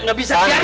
gak bisa ya